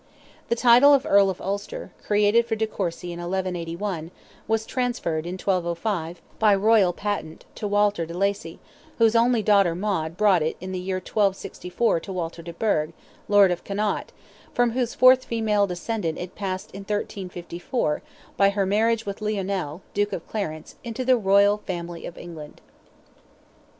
The title of Earl of Ulster, created for de Courcy in 1181, was transferred in 1205, by royal patent, to Walter de Lacy, whose only daughter Maud brought it in the year 1264 to Walter de Burgh, lord of Connaught, from whose fourth female descendant it passed in 1354, by her marriage with Lionel, Duke of Clarence, into the royal family of England.